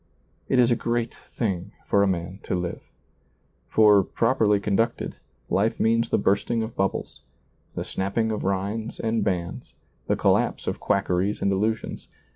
It is a great thing for a man to live. For, properly conducted, life means the bursting of bubbles, the snapping of rinds and bands, the collapse of quackeries and illusions.